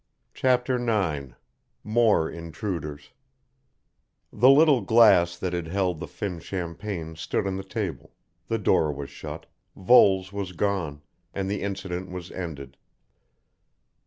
CHAPTER IX MORE INTRUDERS The little glass that had held the fin champagne stood on the table, the door was shut, Voles was gone, and the incident was ended.